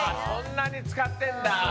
そんなに使ってんだ。